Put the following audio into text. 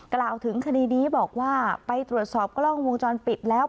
กล่าวถึงคดีนี้บอกว่าไปตรวจสอบกล้องวงจรปิดแล้ว